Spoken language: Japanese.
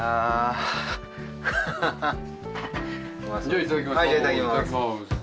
いただきます！